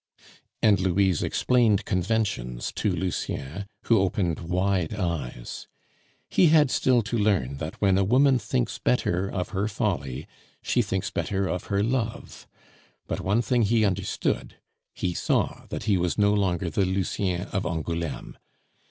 And Louise explained conventions to Lucien, who opened wide eyes. He had still to learn that when a woman thinks better of her folly, she thinks better of her love; but one thing he understood he saw that he was no longer the Lucien of Angouleme.